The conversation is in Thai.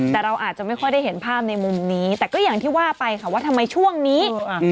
แต่เราอาจจะไม่ค่อยได้เห็นภาพในมุมนี้แต่ก็อย่างที่ว่าไปค่ะว่าทำไมช่วงนี้